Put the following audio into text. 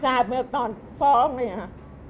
ทราบเมื่อตอนฟ้องเนี่ยครับ